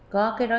có cái rối tình